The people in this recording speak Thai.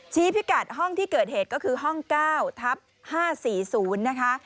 พิกัดห้องที่เกิดเหตุก็คือห้อง๙ทับ๕๔๐นะคะ